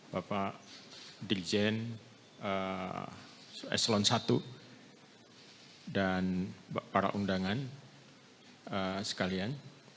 bapak dirjen eselon i dan para undangan sekalian